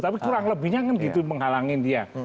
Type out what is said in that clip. tapi kurang lebihnya kan gitu menghalangin dia